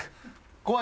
怖い。